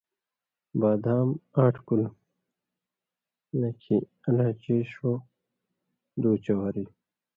بادام آٹھ کُلہۡ، لیٙکھیۡ الائچی ݜو، دُو چواری۔َ